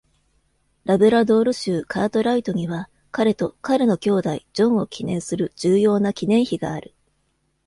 ラブラドール州カートライトには、彼と彼の兄弟ジョンを記念する重要な記念碑がある。